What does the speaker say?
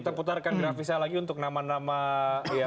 tua umum ya